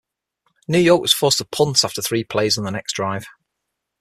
New York was forced to punt after three plays on their next drive.